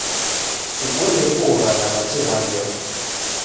Sikunde kuogha na machi gha mbeo